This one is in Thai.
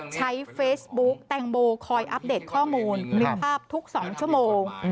ใช้เฟซบุ๊กแตงโมคอยอัปเดตข้อมูลคลิปภาพทุก๒ชั่วโมง